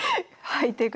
はい。